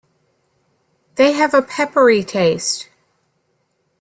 They have a peppery taste.